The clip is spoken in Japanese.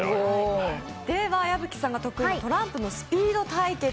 矢吹さんが得意なトランプのスピード対決